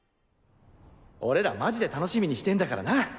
俺らマジで楽しみにしてんだからな。